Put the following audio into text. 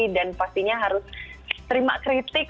dan pastinya harus terima kritik